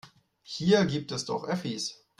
Hier gibt es doch Öffis.